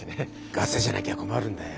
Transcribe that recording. ガセじゃなきゃ困るんだよ。